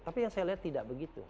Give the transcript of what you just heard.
tapi yang saya lihat tidak begitu